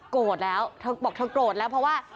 โกรธแล้วเธอบอกเธอโกรธแล้วเพราะว่า